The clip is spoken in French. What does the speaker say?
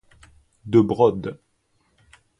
De Brode.